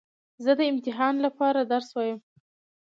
زه د امتحان له پاره درس وایم.